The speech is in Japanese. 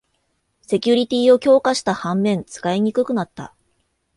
セキュリティーを強化した反面、使いにくくなった